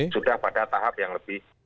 sudah pada tahap yang lebih